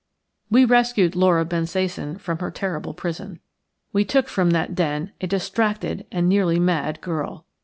We rescued Laura Bensasan from her terrible prison. We took from that den a distracted and nearly mad girl.